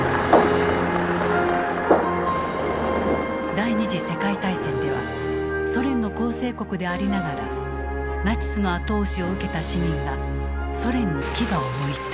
第二次世界大戦ではソ連の構成国でありながらナチスの後押しを受けた市民がソ連に牙をむいた。